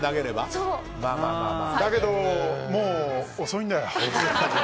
だけど、もう遅いんだよ。